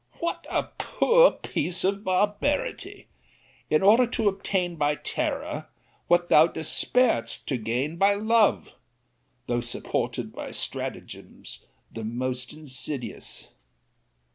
What a poor piece of barbarity! in order to obtain by terror, what thou dispairedst to gain by love, though supported by stratagems the most insidious!